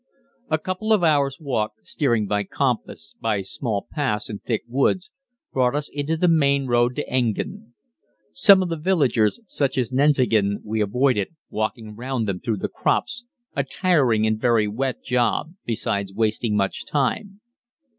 A couple of hours' walk, steering by compass by small paths in thick woods, brought us into the main road to Engen. Some of the villages, such as Nenzingen, we avoided, walking round them through the crops, a tiring and very wet job, besides wasting much time.